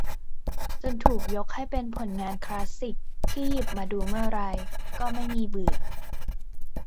จนถูกยกให้เป็นผลงานคลาสสิกที่หยิบมาดูเมื่อไรก็ไม่มีเบื่อ